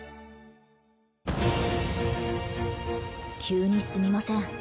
急にすみません